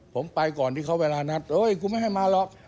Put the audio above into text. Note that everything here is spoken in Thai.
ผมไปก่อนที่เขาเวลานัดกูไม่ให้มาหรอก